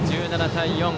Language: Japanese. １７対４。